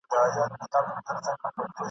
هر یوه ته نیمايی برخه رسیږي !.